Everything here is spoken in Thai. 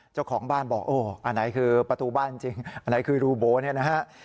เจ้าของบ้านบอกโอ้อันไหนคือประตูบ้านจริงอันไหนคือรูโบเนี่ยนะฮะ